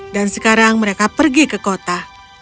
dan sekarang mereka pergi ke kota